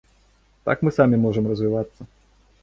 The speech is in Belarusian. Так мы самі можам развівацца.